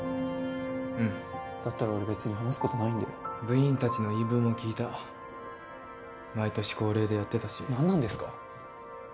うんだったら俺別に話すことないんで部員達の言い分も聞いた毎年恒例でやってたし何なんですか？